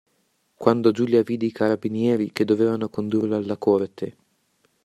Quando Giulia vide i carabinieri che dovevano condurlo alla Corte.